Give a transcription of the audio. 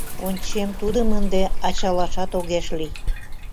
Ончем: тудым ынде ачалашат огеш лий.